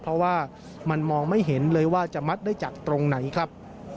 เพราะว่ามันมองไม่เห็นเลยว่าจะมัดได้จากตรงไหนครับ